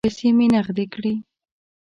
پیسې مې نغدې کړې.